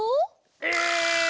え！